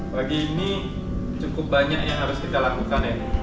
pagi ini cukup banyak yang harus kita lakukan ya